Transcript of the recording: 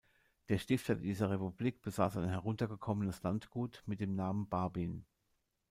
Der Stifter dieser Republik besaß ein heruntergekommenes Landgut mit dem Namen Babin.